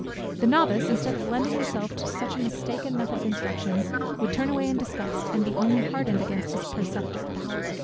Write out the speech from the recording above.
The novice, instead of lending himself to such a mistaken method of instruction, would turn away in disgust, and be only hardened against his preceptor.